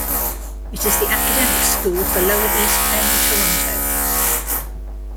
It is the academic school for lower east end Toronto.